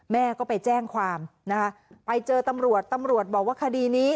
แม่ก็ไปแจ้งความนะคะไปเจอตำรวจตำรวจบอกว่าคดีนี้